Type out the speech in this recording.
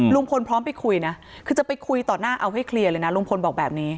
ลุงพลพร้อมไปคุยนะคือจะไปคุยต่อหน้าเอาให้เคลียร์เลยนะลุงพลบอกแบบนี้